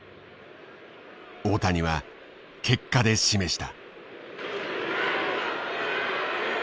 大谷は結果で示した。